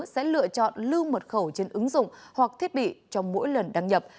sẽ lựa chọn lưu mật khẩu trên ứng dụng hoặc thiết bị trong mỗi lần đăng nhập